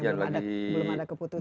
belum ada keputusan